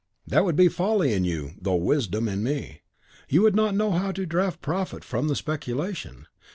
"That would be folly in you, though wisdom in me. You would not know how to draw profit from the speculation!